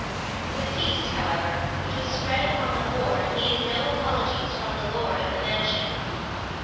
The feast, however, which was spread upon the board, needed no apologies from the lord of the mansion.